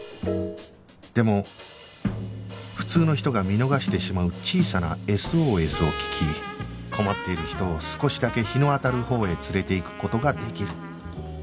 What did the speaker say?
でも普通の人が見逃してしまう小さな ＳＯＳ を聞き困っている人を少しだけ日の当たるほうへ連れていく事ができる